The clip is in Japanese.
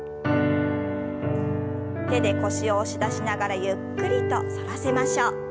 手で腰を押し出しながらゆっくりと反らせましょう。